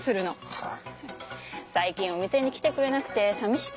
はい。